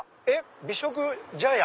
美食茶屋。